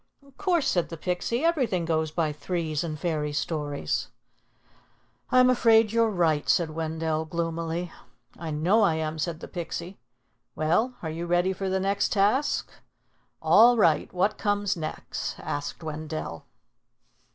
"Of course," said the Pixie. "Everything goes by threes in fairy stories." "I'm afraid you're right," said Wendell gloomily. "I know I am," said the Pixie. "Well, are you ready for the next task?" "All right. What comes next?" asked Wendell.